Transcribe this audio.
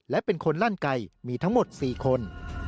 และเป็นคนลั่นไก่มีทั้งหมด๔คน